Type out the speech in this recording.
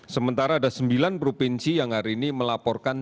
sementara ada sembilan provinsi yang hari ini melaporkan